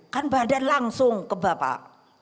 kan badan langsung ke bapak